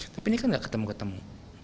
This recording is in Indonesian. tapi ini kan nggak ketemu ketemu